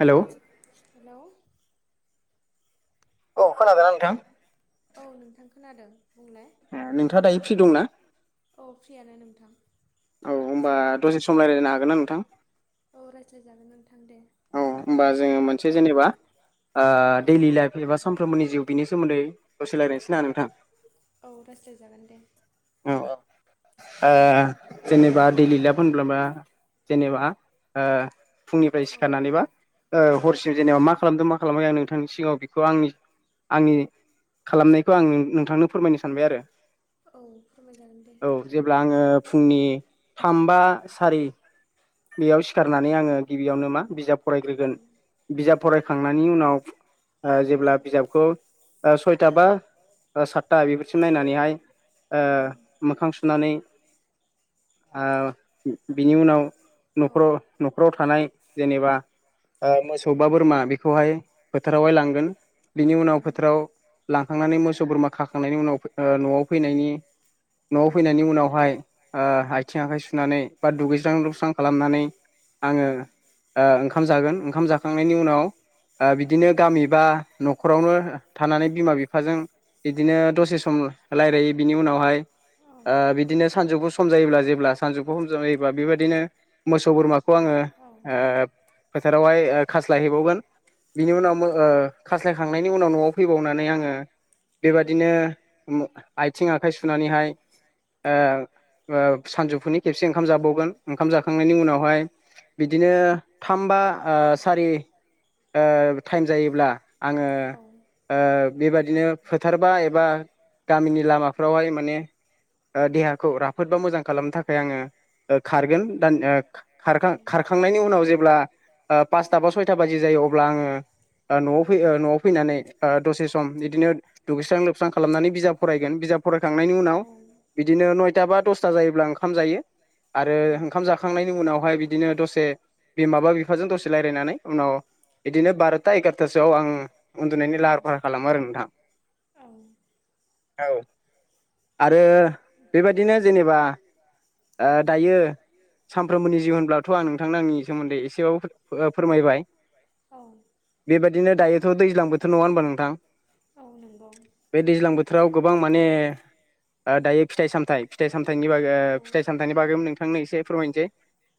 Hello. Hello औ खोनादोंना नोंथां? औ नोंथां खोनादों ‌। ए नोंथाङा दायो फ्रि दंना? औ फ्रियानो नोंथां औ होनबा दसे सम रायजलायनो हागोन ना नोंथां? औ रायज्लायजागोन नोंथां। दे औ होमबा जोङो मोनसे जेनेबा ओ औ दैलि लाइफ एबा सानफ्रोमबोनि जिउ बिनि सोमोन्दै दसे रायलाइनोसैना नोंथां? औ राइस्लायजागोन दे। औ औ ओजेनेबा दैलि लायभ होनब्लाबा जेनेबा ओ फुंनिफ्राय औ सिखारनानै बा ओ हरसिम जेनेबा मा खालामदों मा खालामाखै आं नोंथांनि सिगाङाव खौ आंनि आंनि खालामनायखौ औ आं नों नोंथांनो फोरमायनो सानबाय आरो। औ फोरमायजागोन दे औ जेब्ला आङो फुंनि थाम बा सारि बेयाव सिखारनानै आङो गिबियावनो मा बिजाब औ फरायग्रोगोन बिजाब फरायखांनायनि उनाव ओ औ जेब्ला बिजाबखौ ओ सयथा बा [inaudible] ओ साथता बेफोरसिम नायनानैहाय ओ औ मोखां सुनानै ओ बिनि उनाव औ न'खराव न'खराव थानाय जेनेबा ओ मोसौ बा बोरमा बेखौहाय फोथारावहाय लांगोन बिनि उनाव औ फोथाराव लांखांनानै मोसौ बोरमा खाखांनायनि उनाव ओ न'आव फैनायनि औ न'आव फैनायनि उनावहाय ओ आइथिं आखाइ सुनानै बा दुगैस्रां लोबस्रां खालामनानै आङो ओ ओंखाम जागोन ओंखाम जाखांनायनि उनाव ओ बिदिनो गामि बा न'खरावनो थानानै बिमा बिफाजों इदिनो दसे सम रायलायो बिनि उनावहाय ओ बिदिनो सानजुफु सम जायोब्ला जेब्ला सानजौखौ समजायोबब्ला बेबायदिनो मोसौ बोरमाखौ आङो ओ फोथारावहाय ओ खास्लायहैबावगोन बिनि उनाव मो ओ खास्लायखांनायनि उनाव न'आव फैबावनानै आङो बेबादिनो ओम आइ थिं आखाइ सुनानैहाय ओ ओम ओ सानजौफुनि खेबसे ओंखाम जाबावगोन ओंखाम जा खांनायनि उनावहाय बिदिनो थाम बा ओ सारि ओ टाइम जायोब्ला आङो ओ बेबादिनो फोथारबा एबा गामिनि लामाफ्रावहाय माने ओ देहाखौ राफोद बा मोजां खालामनो थाखाय आङो ओ खारगोन दान ओ खारखां-खारखांनायनि उनाव जेब्ला ओ पासथा बा सयथा बाजि जायो अब्ला आङो ओ न'आव फै ओ न'आव फैनानै ओ दसे सम बिदिनो दुगैस्रां लोबस्रां खालामनानै बिजाब फरायगोन बिजाब फरायखांनायनि उनाव बिदिनो नयथा बा दसथा जायोब्ला ओंखाम जायो आरो ओंखाम जाखांनायनि उनावहाय बिदिनो दसे बिमा बा बिफाजों दसे रायज्लायनानै उनाव बिदिनो बार'था एगार'थासोआव आं उन्दुनायनि लाहार फाहार खालामो आरो औ औ आ रो बेबायदिनो जेनेबा ओ दायो सानफ्रोमबोनि जिउ होनब्लाथ' आं नोंथांनो आंनि सोमोन्दै एसेबाबो ओ फोरमायबाय बेबायदिनो दायोथ' दैज्लां बोथोर नङा होमबा नोंथां नंगौ बे दैज्लां बोथोराव गोबां माने ओ दायो फिथाइ सामथाइ फिथाइ सामथाइनि बागै औ ओ फिाइ सामथाइनि बागै नोंथांनो एसे फोरमायनोसै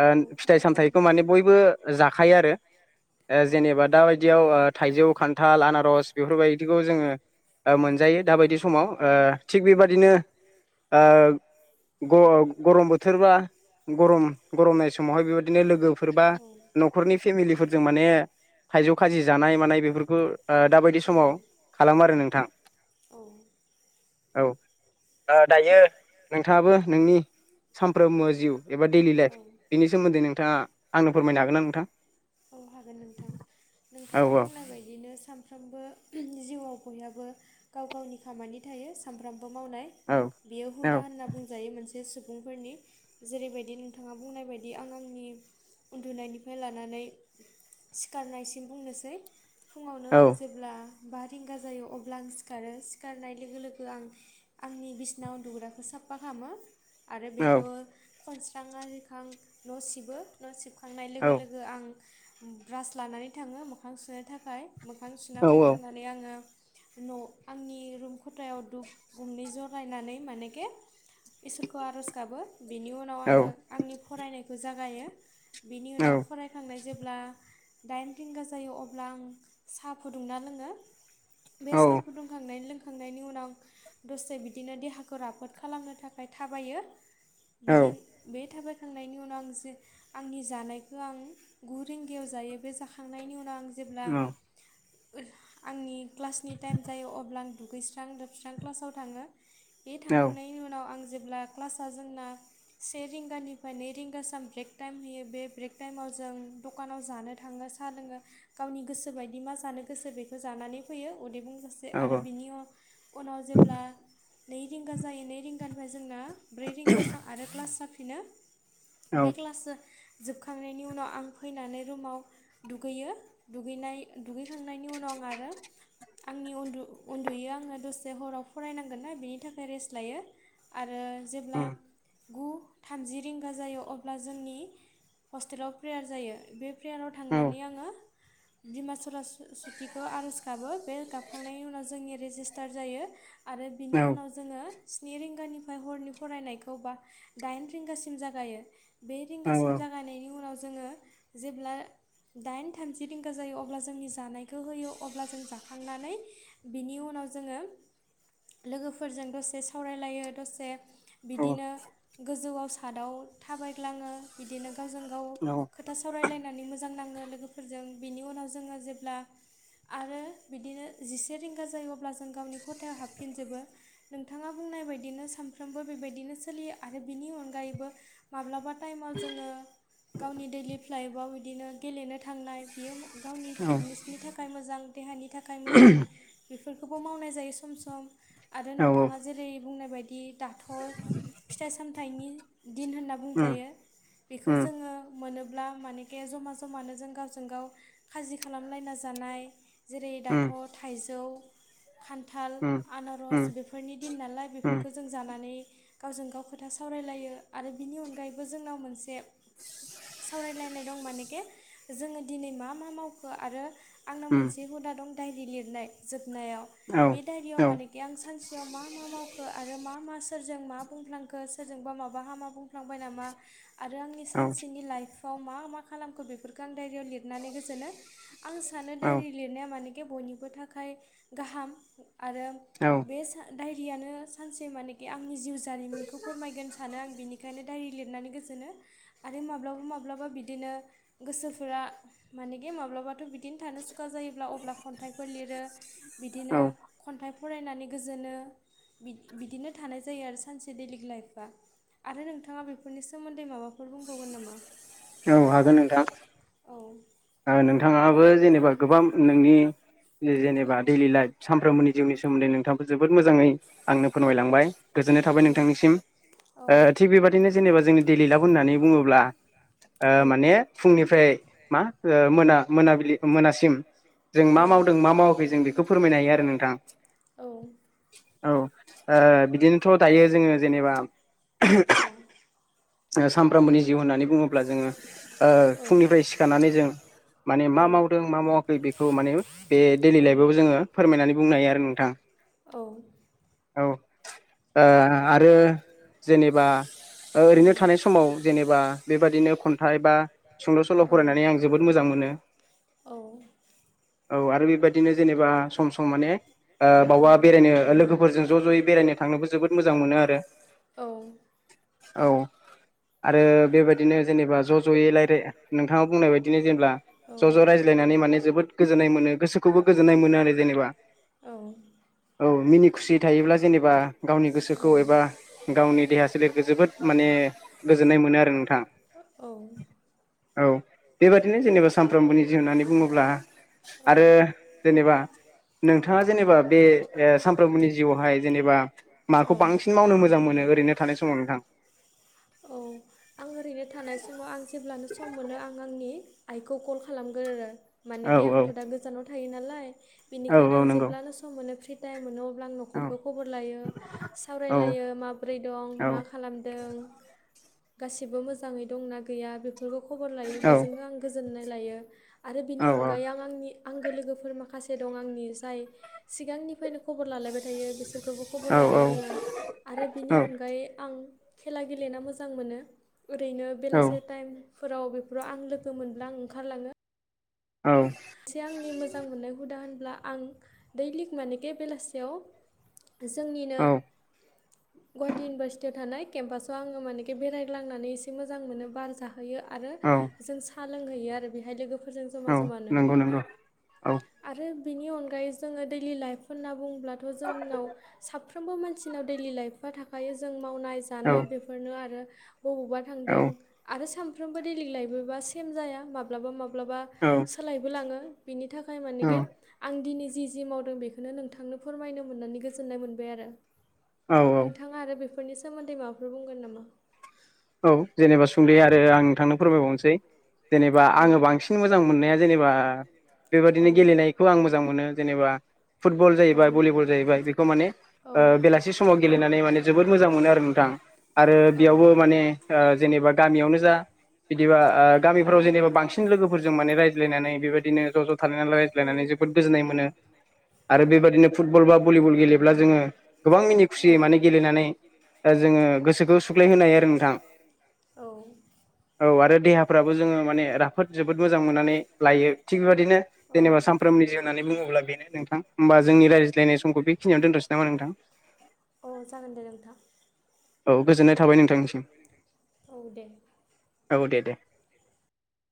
ओ फिथाइ फोरमायजागोन सामथाइखौ माने बयबो जाखायो आरो ओ औ जेनेबा दाबायदियाव ओ थाइजौ खान्थाल आनारस बेफोरबायदिखौ जोङो ओ मोनजायो दाबायदि समाव औ ओ थिग बेबादिनो ओ ग-गरम बोथोरबा गरम गरमनाय समावहाय बेबायदिनो लोगोफोर बा न'खरनि फेमेलिफोरजों माने थाइजौ खाजि जानाय मानाय बेफोरखौ ओ दाबायदि औ समाव खालामो आरो नोंथां औ औ ओ दायो नोंथाङाबो नोंनि सामफ्रोमबो एबा दैइलि लाइफ बेनि सोमोन्दै नोंथाङा आंनो फोरमायनो हागोन ना नोंथां? औ हागोन नोंथां औ नोंथाङा औ बुंनाय बायदिनो सानफ्रोमबो जिउआव बयहाबो गाव गावनि खामानि थायो सामफ्रोम बो मावनाय औ बेयो औ हुदा होनना बुंजायो मोन से सुबुंफोरनि जेरैबायदि नोंथाङा बुंनाय बायदि आं आंनि उन्दुनायनिफ्राय लानानै सिखारनायसिम बुंनोसै फुङावनो औ आं जेब्ला बा रिंगा जायो अब्ला आं सिखारो सिखारनाय लोगो लोगो आं आंनि बिसिना उन्दुग्राखौ सा फा खालामो आरो बेखौ खनस्रांना आरिखां न' सिबो न' सिब खांनाय औ लोगो लोगो आं ब्रास लानानै थाङो मोखां सुनो थाखाय। मोखां सुना औ फैखांनानै आङो न' आंनि रुम खथायाव दुब गंनै जरायनानै मानेखे इसोरखौ आर'ज गाबो बेनि उनाव औ आङो आंनि फरायनायखौ जागायो। बेनि औ उनाव फरायखांनाय जेब्ला दाइन रिंगा जायो अब्ला आं साहा फुदुंना लोङो। बे औ साह फुदुंखांनायनि लों खांनायनि उनाव दसे बिदिनो देहाखौ राफोद खालामनो थाखाय थाबायो। बिदि बे थाबायखांनायनि उनाव आं जे आंनि जानायखो आं गु रिंगायाव जायो बे जाखांनायनि उनाव आं जेब्ला आंनि क्लासनि टाइम जायो अब्ला आं दुगैस्रां लोबस्रां क्लासाव थाङो। बे थांखांनायनि उनाव आं जे ब्ला क्लासआ जोंना से रिंगानिफ्राय नै रिंगा साम ब्रेक टाइम होयो बे ब्रेक टाइमाव जों दखानाव जानो थाङो। साहा लोङो गावनि गोसो बायदि मा जानो गोसो बेखौ जानानै फैयो उदै बुं जासे औ आरो बिनि उ-उनाव जेब्ला नै रिंगा जायो, नै रिंगानिफ्राय जोंना ब्रै रिंगासाम आरो क्लास जाफिनो औ बे क्लास जोबखांनायनि उनाव आं फैनानै रुमाव दुगैयो दुगैनाय दुगैखांनायनि उनाव आं आरो आंनि उन्दु उन्दुयो आङो दसे हराव फरायनांगोन ना बेनि थाखाय रेस्ट लायो। आरो जेब्ला उम गु थामजि रिंगा जायो अब्ला जोंनि हस्टेलाव प्रेयार जायो बे प्रेयाराव औ थांनानै आङो बिमा सरासुतिखौ आर'ज गाबो। बे गाबखांनायनि उनाव जोंनि रेजिस्टार जायो आरो बिनि औ उनाव जोङो स्नि रिंगानिफ्राय हरनि फरायनायखौ बा दाइन रिंगासिम जागायो। बे औ रिंगासिम जागायनायनि उनाव जोङो जेब्ला दाइन थामजि रिंगा जायो अब्ला जोंनि जानायखौ होयो अब्ला जों जाखांनानै बिनि उनाव जोङो लोगोफोरजों दसे सावरायलायो। दसे बिदिनो गोजौआव सादआव थाबायग्लाङो बिदिनो गावजों गाव औ। खोथा सावरायलायनानै मोजां नाङो लोगोफोरजों। बिनि उनाव जोङो जेब्ला आरो बिदिनो जिसे रिंगा जायो अब्ला जों गावनि खथायाव हाबफिनजोबो। नोंथाङा बुं नाय बायदिनो सानफ्रामबो बेबायदिनो सोलियो आरो बिनि अनगायैबो माब्लाबा टाइमाव जोङो गावनि दैलि लाइफआव बिदिनो गेलेनो थांनाय बियो गावनि औ फिटनेसनि थाखाय मोजां देहानि थाखाय मोजां। बे फोरखौबो मावनाय जायो सम सम आरो औ नोंथाङा जेरै बुंनाय बादि दाथ' फिथाइ सामथाइनि दिन होनना उम बुंजायो बेखौ उम जोङो मोनोब्ला मानेखे जमा जमानो जों गावजों गाव खाजि खालामलायना जानाय जेरै दाथ' उम थाइजौ, खान्थाल, उम आनारस उम बेफोरनि दिन नालाय उम बेफोरखौ जों जानानै गावजों गाव खोथा सावरायलायो आरो बिनि अनगायैबो जोंनाव मोनसे [inaudible] सावरायलायनाय दं मानेखे जोङो दिनै मा मा मावखो आरो आंना उम मोनसे हुदा दं डाइरि लिरनाय जोब नायाव औ बे डाइरियाव औ मानेखि आं सानसेयाव मा मा मावखो आरो मा मा सोरजों मा बुंफ्लांखो सोरजोंबा माबा हामा बुंफ्लांबाय नामा आरो आंनि सानसेनि लाइफ फाव मा मा खालामखो बेफोरखो आं डाइरिआव लिदनानै गोजोनो। आं सानो औ डाइरि लिरनाया माने खे बयनिबो थाखाय गाहाम आरो औ बे सा‌ डायरियानो सानसे मानेखे आंनि जिउ जारिमिनखौ फोरमायगोन सानो आं। बिनिखायनो डायरि लिदनानै गोजोनो आरो माब्लाबा मा ब्लाबा बिदिनो गोसोफोरा मानेगे माब्लाबाथ' बि दिन थानो सुखा जायोब्ला अब्ला खन्थाइफोर लिरो बिदिनो औ खन्थाइ फरायनानै गोजोनो। बि-बिदिनो थानाय जायो आरो सानसे दैलिक लाइफआ आरो नोंथाङा बेफोरनि सोमोन्दै माबा फोर बुंबावगोन नामा? औ हागोन नोंथां। औ ओ नोंथाङाबो जेनेबा गोबाम नोंनि औ जेनेबा दैलि लाइफ सामफ्रोमबोनि जिउनि सोमोन्दै नोंथाङाबो जोबोद मोजाङै आंनो फोरमायलांबाय गोजोननाय थाबाय औ नोंथांनिसिम औ ओ थि बेबादिनो जेनेबा जोंनि देलि लाब होननानै बुङोब्ला ओ औ माने फुंनिफ्राय मा ओ मोना मोनाबिलि मोनासिम जों औ मा मावदों मा मावाखै जों बेखौ फोरमायनो हायो आरो नोंथां। औ औ ओ बिदिनोथ' दायो जोङो जेनेबा [unintelligible] ओ सामफ्रामबोनि जिउ होननानै बुङोब्ला जोङो ओ औ फुंनिफ्राय सिखारनानै जों माने औ मा मावदों मा मावाखै बेखौ माने बे औ देलि लाइफबाबो जोङो फोरमायनानै बुंनो हायो आरो नोंथां। [inaudible] औ ओ आरो जेनेबा ओ ओरैनो थानाय समाव जेनेबा बेबादिनो खन्थाइ बा सुंद' सल' फरायनानै आं जोबोद मोजां मोनो। औ औ आरबि बादिनो जेनेबा सम सम माने ओ बावबा बेरायनो लोगोजों ज' ज' बेरायनो थांनोबो जोबो मो जां मोनो आरो औ आरो बेबायदिनो जेनेबा ज'-ज'यै लायराय नोंथाङा बुंनाय बायदिनो जेनब्ला औ ज' ज' रायज्लायनानै माने जोबोद गोजोन्नाय मोनो गोसोखौबो गोजोननाय मोनो आरो जेनेबा औ औ [inaudible] औ मिनि खुसियै थायोब्ला जेनेबा गावनि औ गोसोखौ एबा गावनि देहा सोलेरखो जोबोद माने गोजोननाय मोनो आरो नोंथां। औ औ बेबादिनो जेनेबा सामफ्रोमबोनि जिउ होननानै बुङोब्ला औ आरो जेनेबा नोंथाङा जेनेबा बे ओ सामफ्रोमबोनि जिउआवहाय जेनेबा औ माखौ बांसिन मावनो मोजां मोनो? ओरैनो थानाय समाव नोंथां औ आं ओरैनो थानाय समाव आं जेब्लानो सम मोनो आं आंनि आइखौ कल खालामगोरो औ मानेखे औ आंथ' दा गोजानाव थायो नालाय औ बिनिखायनो औ आं नंगौ जेब्लानो सम मोनो फ्रि टाइम मोनो अ ब्ला आं औ न'खरखौ खबर लायो औ सावरायलायो माब्रै दं मा खालामदों। गासिबो मोजाङै दंना गैया बेफोरखौ खबर लायो बेजोंनो औ आं गोजोननाय लायो। आरो बिनि औ औ अनगायै आ आंनि आंगो लोगोफोर माखासे दं आंनि जाय सिगांनिफायनो खबर लालायबाय थायो बिसोरखोबो औ खबर लायो आङो आरो बिनि अनगायै आं खेला गेलेना मोजां मोनो ओरैनो बेलासे टाइम फोराव बेफोराव आं लोगो मोनब्ला आं ओंखारलाङो। औ थि आंनि मोजां मोननाय हुदा हो ब्ला आं दैलिग मानेके बेलासेयाव जोंनिनो औ गुवाहाटी इउनिभारसिटियाव थानाय केम्पासाव आङो माने बेरालालांनानै ऐसे मोजां मोनो बार जाहैयो आरो औ सा लोंहैयो आरो बेहाय लोगोफोरजों जमा औ जमानो नंगौ नंगौ औ आरो बेनि अनगायै जोङो दैलि लाइफ होन्ना बुंङोबब्लाथ' जोंनाव सा फ्रोमबो मानसिनाव दैलि लाइफआ थाखायो जों मावनाय औ जानाय बेफोरनो आरो बबावबा थांदों औ आरो सामफ्रोमबो दैलिं लायबोबा सेम जाया माब्लाबा माब्लाबा बो लाङो बिनि थाखाय औ मानेगे आं दिनै जि जि मावदों बेखौनो नोंथांनो फोरमायनो मोननानै गोजोननाय मोनबाय आरो औ नोंथाङा आरो बेफोरनि सोमोनदै माबाफोर बुंगोन नामा औ जेनेबा सुंदयै आरो आं नोंथांनो फोरमायबावनसै जेनेबा औ आङो बांसिन मोजां मोननाया जेनेबा औ बेबायदिनो गेलेनायखौ आं मोजां मोनो जेनेबा फुटबल औ जायैबाय भलिबल जाहैबाय बेखौ माने औ बेलासि समाव गेलेनानै माने जोबोद मोजां मोनो आरो नोंथां आरो औ बेयावबो माने ओ जेनेबा गामियावनो जा बिदिबा ओ औ गामिफोराव जेनेबा बांसिन लोगोफोरजों माने रायज्लायनानै बेबादिनो ज' ज' थालायना रायजलायनानै जबो गोनाय मोनो आरो बेबा दिनो फुटबल बा भलिबल गेलेब्ला जोङो गोबां मिनि औ खुसियै माने गेलेनानै दा जोङो गोसोखौ सुग्लायहोनो हायो आरो नोंथां औ औ आरो देहाफ्राबो जोङो माने राफोद जोबोद मोजां मोननानै लायो थिग बेबादिनो जेनेबा सानफ्रोमनि जिउ होननानै बुङोब्ला बेनो नोंथांबा ओमबा जोंनि ज्लायनाय समखौ बेखिनियावनो दोनथनोसै नामा नोंथां औ अ जागोन दे नोंथां औ गोजोननाय थाबाय नोंथांनिसिम औ दे औ दे दे